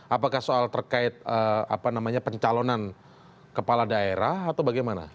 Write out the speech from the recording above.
apakah soal terkait pencalonan kepala daerah atau bagaimana